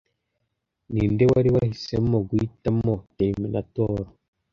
Ninde wari wahisemo guhitamo terminator